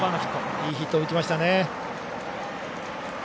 いいヒットを打ちました。